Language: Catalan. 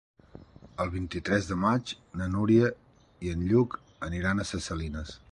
El vint-i-tres de maig na Núria i en Lluc aniran a Ses Salines.